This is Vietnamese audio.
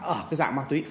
ở cái dạng ma túy